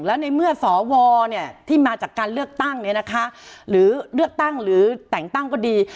แล้วในเมื่อสวที่มาจากการเลือกตั้งเนี่ยนะคะหรือเลือกตั้งหรือแต่งตั้งก็ดี